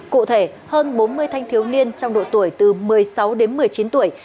cụ thể hơn bốn mươi thanh thiếu niên trong độ tuổi từ một mươi sáu đến một mươi chín tuổi